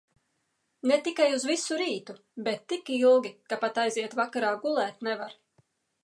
Ne tikai uz visu rītu, bet tik ilgi, ka pat aiziet vakarā gulēt nevar.